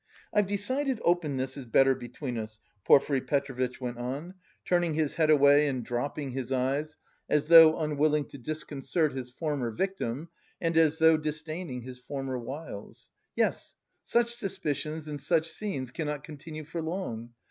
"I've decided openness is better between us," Porfiry Petrovitch went on, turning his head away and dropping his eyes, as though unwilling to disconcert his former victim and as though disdaining his former wiles. "Yes, such suspicions and such scenes cannot continue for long.